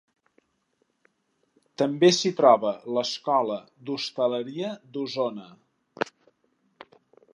També s'hi troba l'Escola d'Hostaleria d'Osona.